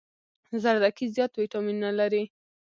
زردکي زيات ويټامينونه لري